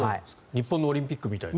日本のオリンピックみたいな。